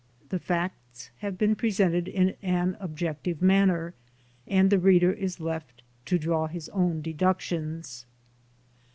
The facts have been presented in an objective manner, and the reader is left to draw his own deductions.